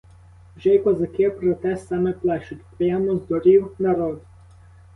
Вже й козаки про те саме плещуть, прямо здурів народ.